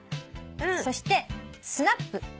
そしてスナップ。